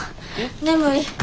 眠い。